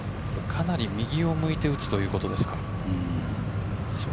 かなり右を向いて打つということですか。